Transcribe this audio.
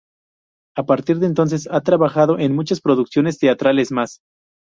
A partir de entonces ha trabajado en muchas producciones teatrales más.